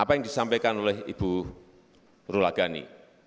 apa yang disampaikan oleh ibu rulagani